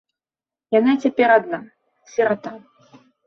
Яна цяпер адна, сірата.